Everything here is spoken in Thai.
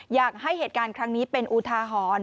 อยากให้เหตุการณ์ครั้งนี้เป็นอุทาหรณ์